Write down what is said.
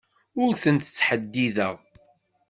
Ur tent-ttḥeddideɣ.